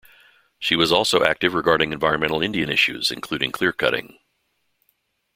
She was also active regarding environmental Indian issues, including clearcutting.